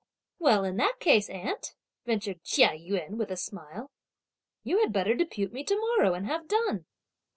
"Well, in that case, aunt," ventured Chia Yün with a smile, "you had better depute me to morrow, and have done!"